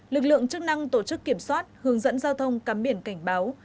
lực lượng chức năng tổ chức kiểm soát hướng dẫn giao thông cắm biển cảnh báo